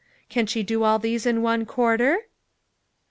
Can she do all these in one quarter?"